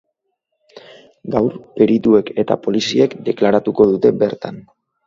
Gaur, perituek eta poliziek deklaratuko dute bertan.